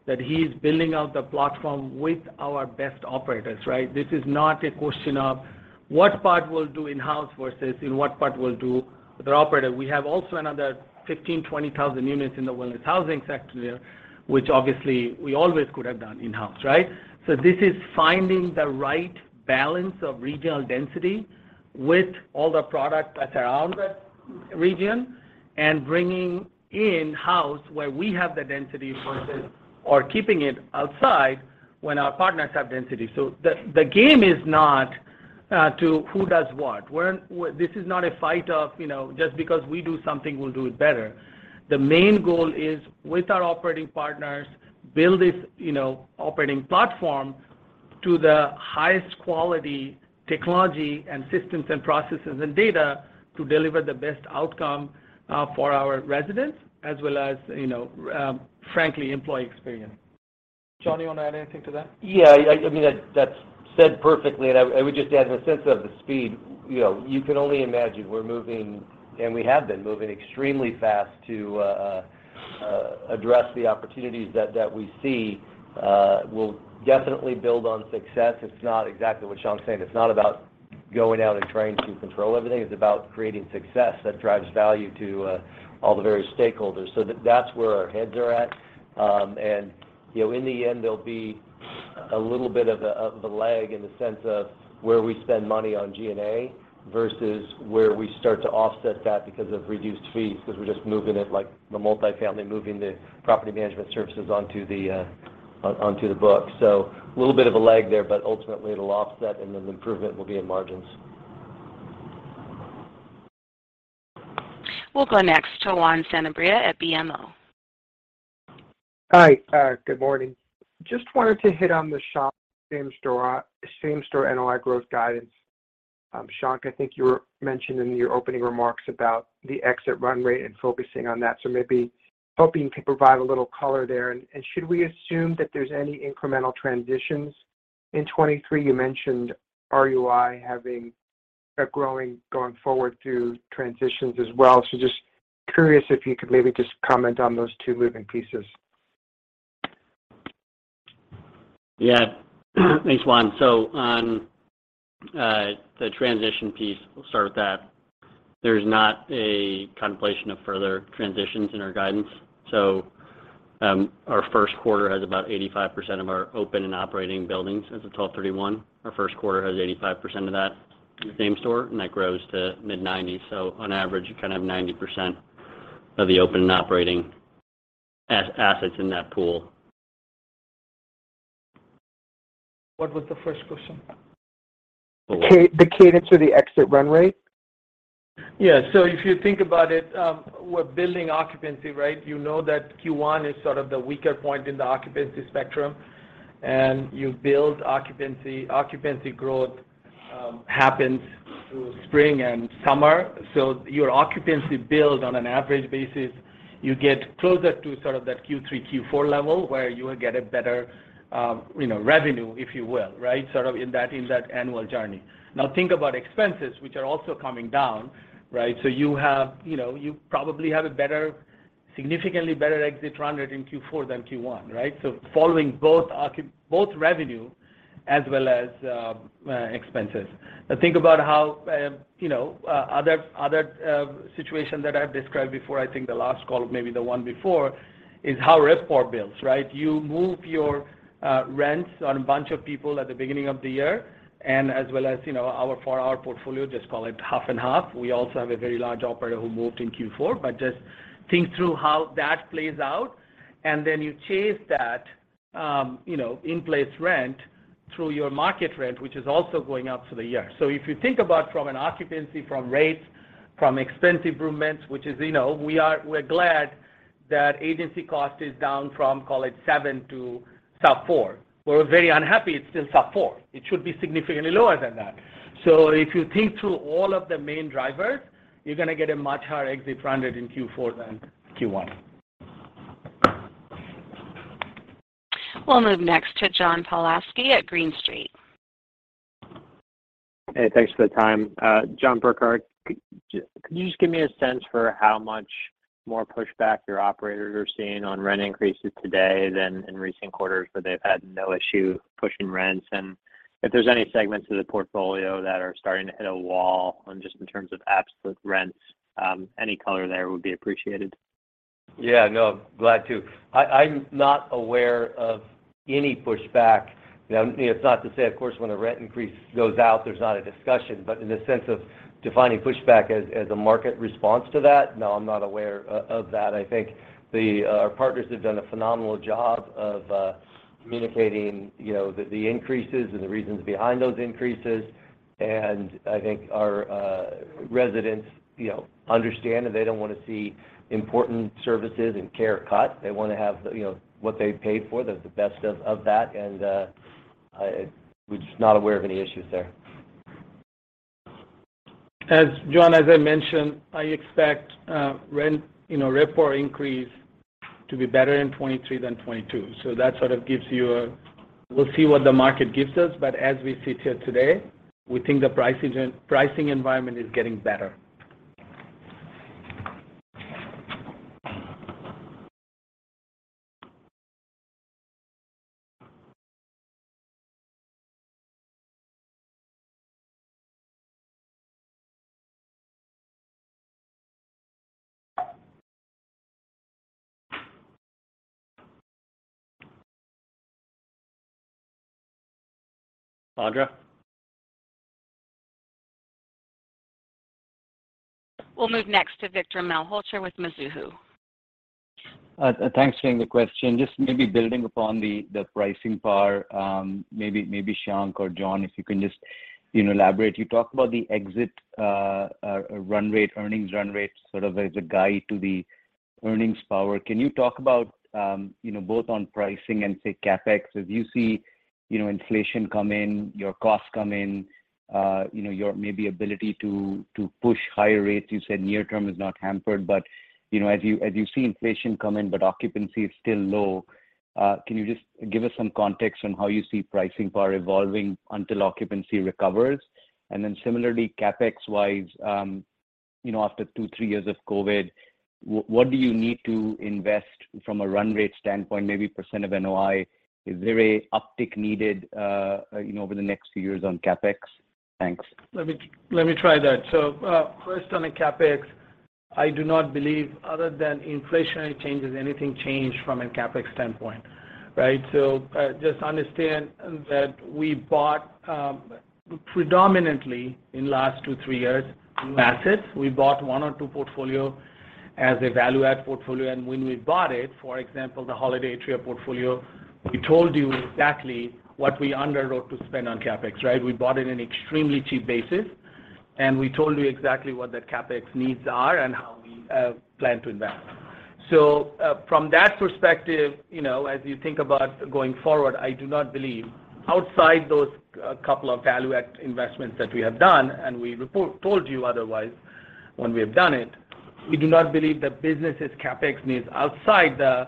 that he's building out the platform with our best operators, right? This is not a question of what part we'll do in-house versus in what part we'll do with our operator. We have also another 15,000-20,000 units in the wellness housing sector there, which obviously we always could have done in-house, right? This is finding the right balance of regional density with all the product that's around that region and bringing in-house where we have the density or keeping it outside when our partners have density. The game is not to who does what. This is not a fight of, you know, just because we do something, we'll do it better. The main goal is with our operating partners, build this, you know, operating platform to the highest quality technology and systems and processes and data to deliver the best outcome for our residents as well as, you know, frankly, employee experience. John, you wanna add anything to that? Yeah. I mean, that's said perfectly, and I would just add in the sense of the speed, you know, you can only imagine we're moving, and we have been moving extremely fast to address the opportunities that we see. We'll definitely build on success. It's not. Exactly what Shankh's saying. It's not about going out and trying to control everything. It's about creating success that drives value to all the various stakeholders. That's where our heads are at. And, you know, in the end, there'll be a little bit of a lag in the sense of where we spend money on G&A versus where we start to offset that because of reduced fees, 'cause we're just moving it like the multifamily, moving the property management services onto the book. Little bit of a lag there, but ultimately it'll offset, and then the improvement will be in margins. We'll go next to Juan Sanabria at BMO. Hi. Good morning. Just wanted to hit on the SHOP same store, same store NOI growth guidance. Shankh, I think you were mentioning in your opening remarks about the exit run rate and focusing on that, so maybe hoping you could provide a little color there. And should we assume that there's any incremental transitions in 2023? You mentioned RUI having a growing going forward through transitions as well. Just curious if you could maybe just comment on those two moving pieces. Yeah. Thanks, Juan. On the transition piece, we'll start with that. There's not a contemplation of further transitions in our guidance. Our first quarter has about 85% of our open and operating buildings as of 12/31. Our first quarter has 85% of that same store, and that grows to mid-nineties. On average, you kind of have 90% of the open and operating as-assets in that pool. What was the first question? The cadence or the exit run rate. If you think about it, we're building occupancy, right? You know that Q1 is sort of the weaker point in the occupancy spectrum, and you build occupancy. Occupancy growth happens through spring and summer. Your occupancy build on an average basis, you get closer to sort of that Q3, Q4 level, where you will get a better, you know, revenue, if you will, right? Sort of in that, in that annual journey. Think about expenses, which are also coming down. Right. You have, you know, you probably have a better, significantly better exit run rate in Q4 than Q1, right? Following both revenue as well as expenses. Think about how, you know, other situation that I've described before, I think the last call, maybe the one before, is how RevPAR builds, right? You move your rents on a bunch of people at the beginning of the year, as well as, you know, for our portfolio, just call it half and half. We also have a very large operator who moved in Q4, but just think through how that plays out. You chase that, you know, in-place rent through your market rent, which is also going up for the year. If you think about from an occupancy, from rates, from expense improvements, which is, you know, we're glad that agency cost is down from, call it 7 to sub 4. We're very unhappy it's still sub 4. It should be significantly lower than that. If you think through all of the main drivers, you're gonna get a much higher exit run rate in Q4 than Q1. We'll move next to John Pawlowski at Green Street. Hey, thanks for the time. John Burkart, could you just give me a sense for how much more pushback your operators are seeing on rent increases today than in recent quarters, where they've had no issue pushing rents? If there's any segments of the portfolio that are starting to hit a wall on just in terms of absolute rents, any color there would be appreciated? Yeah, no, glad to. I'm not aware of any pushback. Now, it's not to say, of course, when a rent increase goes out, there's not a discussion, but in the sense of defining pushback as a market response to that, no, I'm not aware of that. I think the our partners have done a phenomenal job of communicating, you know, the increases and the reasons behind those increases. And I think our residents, you know, understand that they don't wanna see important services and care cut. They wanna have, you know, what they paid for, the best of that. And we're just not aware of any issues there. As John, as I mentioned, I expect rent, you know, RevPAR increase to be better in 2023 than 2022. We'll see what the market gives us, but as we sit here today, we think the pricing environment is getting better. Audra? We'll move next to Vikram Malhotra with Mizuho. Thanks for taking the question. Just maybe building upon the pricing part, maybe Shankh or John, if you can just, you know, elaborate. You talked about the exit run rate, earnings run rate, sort of as a guide to the earnings power. Can you talk about, you know, both on pricing and say, CapEx? If you see, you know, inflation come in, your costs come in, you know, your maybe ability to push higher rates, you said near term is not hampered. You know, as you see inflation come in, but occupancy is still low, can you just give us some context on how you see pricing power evolving until occupancy recovers? Similarly, CapEx-wise, you know, after 2, 3 years of COVID, what do you need to invest from a run rate standpoint, maybe % of NOI? Is there a uptick needed, you know, over the next few years on CapEx? Thanks. Let me try that. First on the CapEx, I do not believe other than inflationary changes, anything changed from a CapEx standpoint, right? Just understand that we bought predominantly in last 2, 3 years, new assets. We bought 1 or 2 portfolio as a value add portfolio, and when we bought it, for example, the Holiday portfolio, we told you exactly what we underwrote to spend on CapEx, right? We bought it in extremely cheap basis, and we told you exactly what the CapEx needs are and how we plan to invest. From that perspective, you know, as you think about going forward, I do not believe outside those couple of value add investments that we have done, and we report-told you otherwise when we have done it, we do not believe the business' CapEx needs outside the,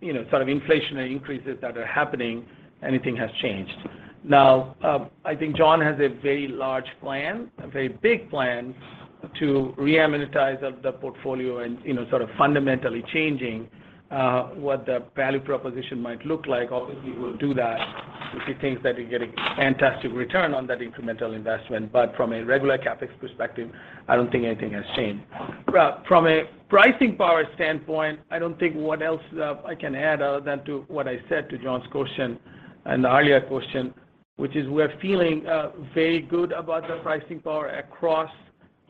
you know, sort of inflationary increases that are happening, anything has changed. Now, I think John has a very large plan, a very big plan to reamenitize the portfolio and, you know, sort of fundamentally changing what the value proposition might look like. Obviously, we'll do that if he thinks that we're getting fantastic return on that incremental investment. From a regular CapEx perspective, I don't think anything has changed. From a pricing power standpoint, I don't think what else I can add other than to what I said to John's question and the earlier question, which is we're feeling very good about the pricing power across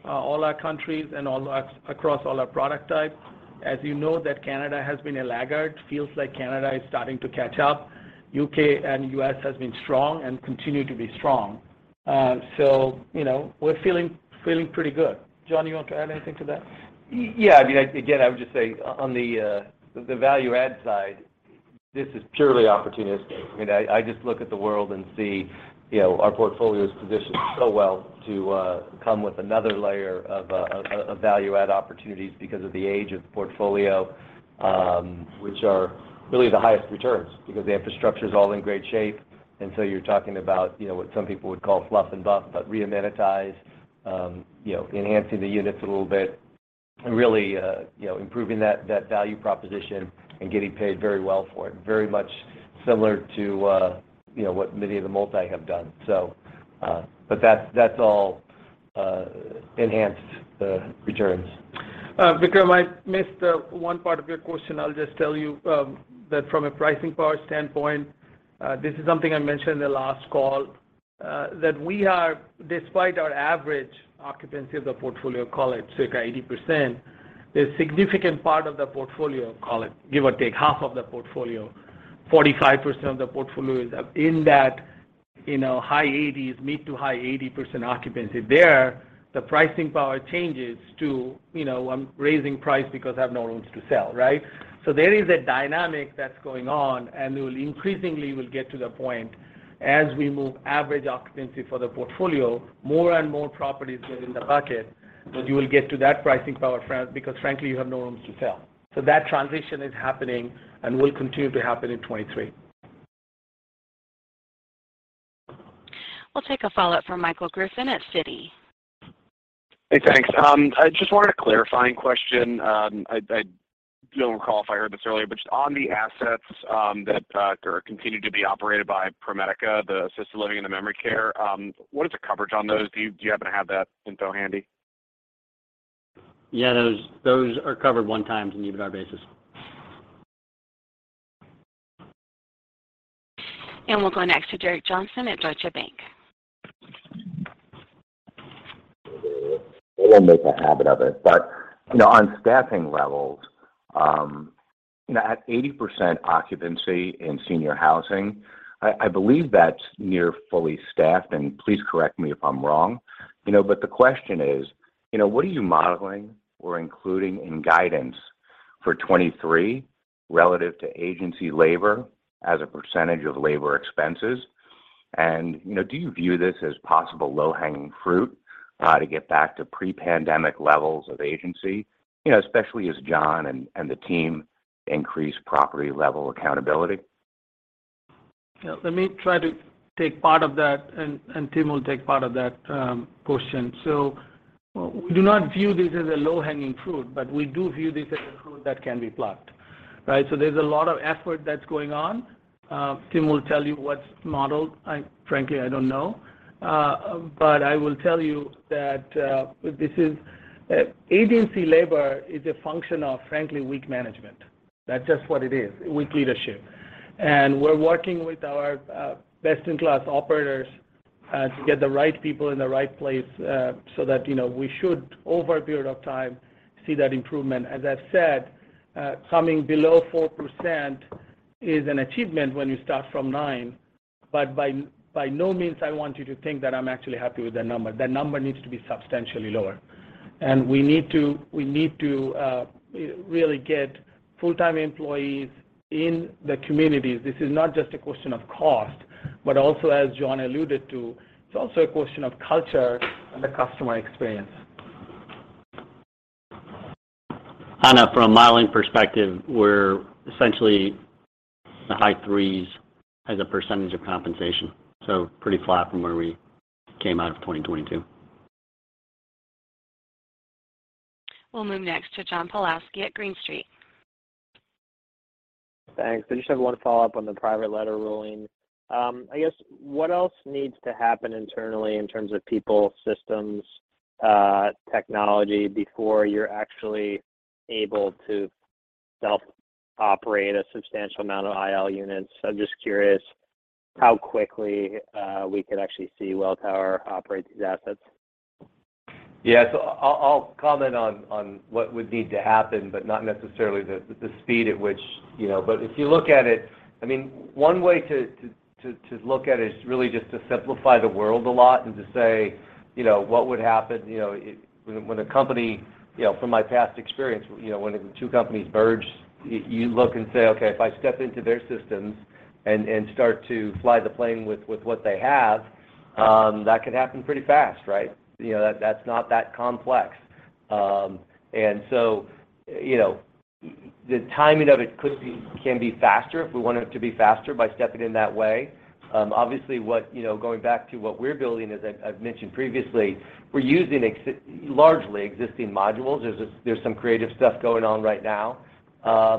all our countries and across all our product types. As you know, that Canada has been a laggard. Feels like Canada is starting to catch up. U.K. and U.S. has been strong and continue to be strong. You know, we're feeling pretty good. John, you want to add anything to that? Yeah. I mean, again, I would just say on the value add side, this is purely opportunistic. I mean, I just look at the world and see, you know, our portfolio is positioned so well to come with another layer of value add opportunities because of the age of the portfolio, which are really the highest returns because the infrastructure is all in great shape. You're talking about, you know, what some people would call fluff and buff, but re-amenitize, you know, enhancing the units a little bit and really, you know, improving that value proposition and getting paid very well for it. Very much similar to, you know, what many of the multi have done. But that's all enhanced the returns. Vikram, I missed one part of your question. I'll just tell you that from a pricing power standpoint, this is something I mentioned in the last call, that despite our average occupancy of the portfolio call it, say, 80%, a significant part of the portfolio, call it, give or take half of the portfolio, 45% of the portfolio is up in that, you know, high 80s, mid to high 80% occupancy. There, the pricing power changes to, you know, I'm raising price because I have no rooms to sell, right? There is a dynamic that's going on, and we will increasingly will get to the point as we move average occupancy for the portfolio, more and more properties within the bucket, but you will get to that pricing power, because frankly you have no rooms to sell. That transition is happening and will continue to happen in 2023. We'll take a follow-up from Michael Griffin at Citi. Hey, thanks. I just wanted a clarifying question. I don't recall if I heard this earlier, but just on the assets that are continued to be operated by ProMedica, the assisted living and the memory care, what is the coverage on those? Do you happen to have that info handy? Yeah. Those are covered one time in EBITDA basis. We'll go next to Derek Johnston at Deutsche Bank. I won't make a habit of it, but, you know, on staffing levels, you know, at 80% occupancy in senior housing, I believe that's near fully staffed, and please correct me if I'm wrong. You know, the question is, you know, what are you modeling or including in guidance for 23 relative to agency labor as a percentage of labor expenses? You know, do you view this as possible low-hanging fruit, to get back to pre-pandemic levels of agency, you know, especially as John and the team increase property level accountability? Yeah. Let me try to take part of that, Tim will take part of that question. We do not view this as a low-hanging fruit, but we do view this as a fruit that can be plucked, right? There's a lot of effort that's going on. Tim will tell you what's modeled. Frankly, I don't know. But I will tell you that agency labor is a function of, frankly, weak management. That's just what it is, weak leadership. We're working with our best-in-class operators to get the right people in the right place so that, you know, we should, over a period of time, see that improvement. As I've said, coming below 4% is an achievement when you start from 9. By no means I want you to think that I'm actually happy with that number. That number needs to be substantially lower. We need to really get full-time employees in the communities. This is not just a question of cost, but also, as John alluded to, it's also a question of culture and the customer experience. And, from a modeling perspective, we're essentially the high 3s% of compensation. Pretty flat from where we came out of 2022. We'll move next to John Pawlowski at Green Street. Thanks. I just have 1 follow-up on the Private Letter Ruling. I guess, what else needs to happen internally in terms of people, systems, technology before you're actually able to self-operate a substantial amount of IL units? I'm just curious how quickly we could actually see Welltower operate these assets. Yeah. I'll comment on what would need to happen, but not necessarily the speed at which, you know. If you look at it, I mean, one way to look at it is really just to simplify the world a lot and to say, you know, what would happen, you know, when a company, you know, from my past experience, you know, when two companies merge, you look and say, "Okay, if I step into their systems and start to fly the plane with what they have, that can happen pretty fast, right? You know, that's not that complex. The timing of it can be faster if we want it to be faster by stepping in that way. Obviously, what, you know, going back to what we're building, as I've mentioned previously, we're using largely existing modules. There's some creative stuff going on right now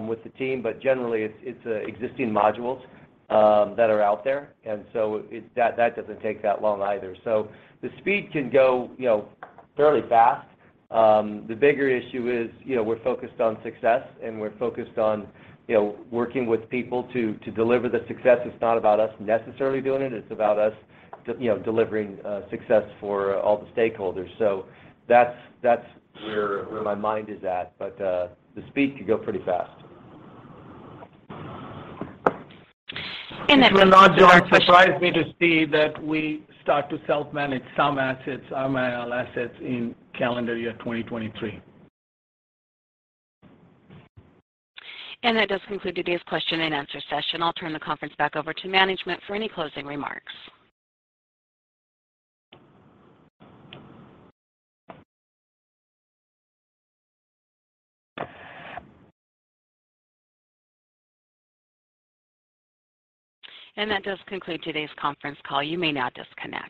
with the team, but generally it's existing modules that are out there. That doesn't take that long either. The speed can go, you know, fairly fast. The bigger issue is, you know, we're focused on success, and we're focused on, you know, working with people to deliver the success. It's not about us necessarily doing it's about us, you know, delivering success for all the stakeholders. That's where my mind is at. The speed could go pretty fast. And that- It will not surprise me to see that we start to self-manage some assets, some IL assets in calendar year 2023. That does conclude today's question and answer session. I'll turn the conference back over to management for any closing remarks. That does conclude today's conference call. You may now disconnect.